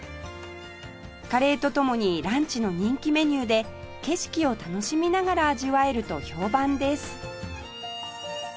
カレーと共にランチの人気メニューで景色を楽しみながら味わえると評判です